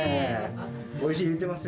「おいしい」言ってますよ。